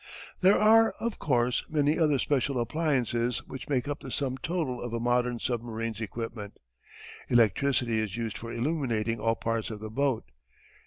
There are, of course, many other special appliances which make up the sum total of a modern submarine's equipment. Electricity is used for illuminating all parts of the boat.